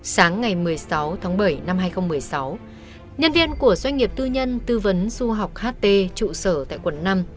sáng ngày một mươi sáu tháng bảy năm hai nghìn một mươi sáu nhân viên của doanh nghiệp tư nhân tư vấn du học ht trụ sở tại quận năm